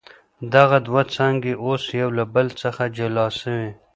دغه دوه څانګي اوس يو له بل څخه جلا سوې.